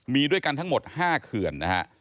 มีด้วยกันทั้งหมด๕เขื่อนนะฮะ